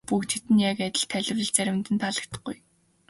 Бүгдэд нь яг адил тайлбарлавал заримд нь таалагдахгүй.